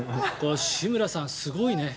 志村さん、すごいね。